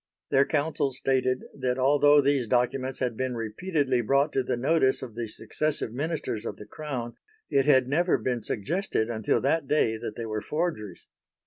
Their counsel stated that although these documents had been repeatedly brought to the notice of the successive Ministers of the Crown, it had never been suggested until that day that they were forgeries.